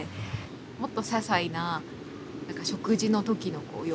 もっとささいな食事の時の様子とか。